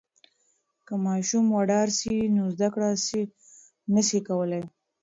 که ماشوم وډار سي نو زده کړه نسي کولای.